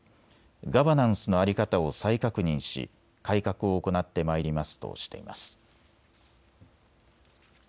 ガバナンスの在り方を再確認し改革を行ってまいりますとしています。